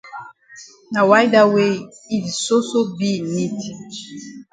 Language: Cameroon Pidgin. Na why dat wey yi di soso be in need.